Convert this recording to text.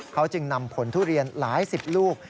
เขาจึงนำผลทุเรียนหลายสิบลูก